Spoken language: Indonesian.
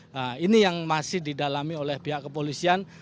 nah ini yang masih didalami oleh pihak kepolisian